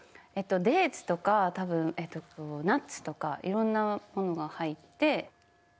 デーツとか多分ナッツとかいろんなものが入って。